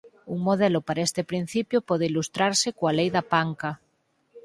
Un modelo para este principio pode ilustrarse coa lei da panca.